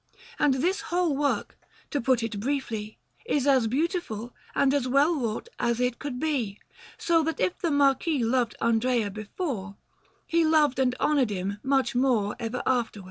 And this whole work, to put it briefly, is as beautiful and as well wrought as it could be; so that if the Marquis loved Andrea before, he loved and honoured him much more ever afterwards.